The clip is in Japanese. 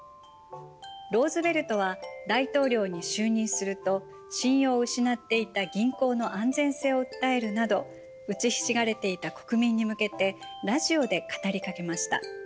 ローズヴェルトは大統領に就任すると信用を失っていた銀行の安全性を訴えるなど打ちひしがれていた国民に向けてラジオで語りかけました。